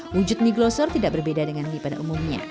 wujud mie glosor tidak berbeda dengan mie pada umumnya